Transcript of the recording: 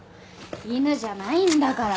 犬じゃないんだから。